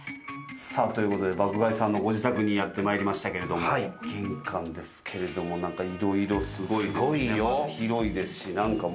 爆買いさんのご自宅にやってまいりましたけど、玄関ですけれども、何かいろいろすごい、広いですし。